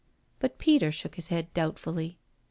But Peter shook his head doubtfully.